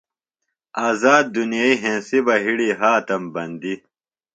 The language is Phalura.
آذاد دنیئی ہنسی بِہ ہڑِی ہاتم بندی۔